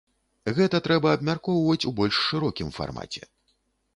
Гэта трэба абмяркоўваць ў больш шырокім фармаце.